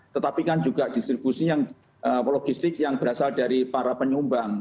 tetapi kan juga distribusi yang logistik yang berasal dari para penyumbang